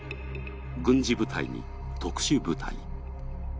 軍事部隊に、特殊部隊。